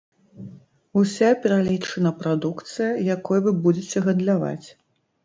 Уся пералічана прадукцыя, якой вы будзеце гандляваць.